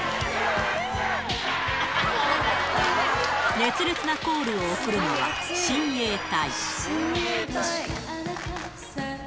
熱烈なコールをおくるのは、親衛隊。